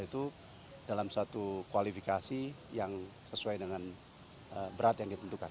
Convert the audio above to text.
dan itu dalam suatu kualifikasi yang sesuai dengan berat yang ditentukan